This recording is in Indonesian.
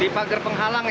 di pagar penghalang ya